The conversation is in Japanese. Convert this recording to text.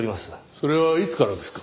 それはいつからですか？